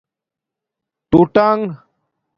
ٹݸ ٹݣ